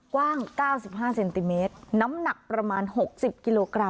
กว้างเก้าสิบห้าเซนติเมตรน้ำหนักประมาณหกสิบกิโลกรัม